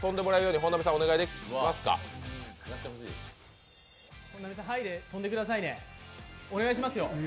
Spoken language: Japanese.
本並さん、ハイで飛んでくださいね、お願いしますよ。